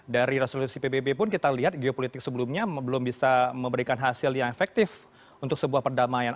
dari resolusi pbb pun kita lihat geopolitik sebelumnya belum bisa memberikan hasil yang efektif untuk sebuah perdamaian